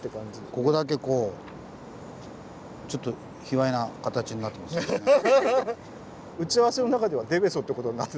ここだけこうちょっと卑わいな形になってますよね。